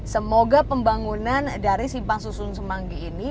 semoga pembangunan dari simpang susun semanggi ini